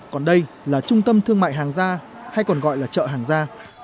còn đây là trung tâm thương mại hàng gia hay còn gọi là chợ hàng gia